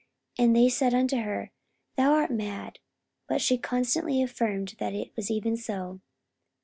44:012:015 And they said unto her, Thou art mad. But she constantly affirmed that it was even so.